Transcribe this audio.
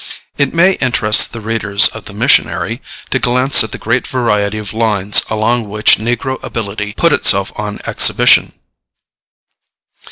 It may interest the readers of the MISSIONARY to glance at the great variety of lines along which negro ability put itself on exhibition.